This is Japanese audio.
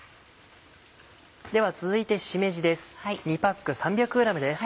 では続いてしめじです